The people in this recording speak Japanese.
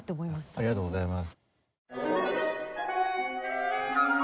ありがとうございます。